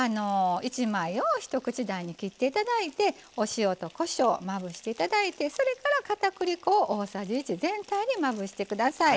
１枚を一口大に切っていただいてお塩とこしょうまぶしていただいてそれからかたくり粉を大さじ１全体にまぶしてください。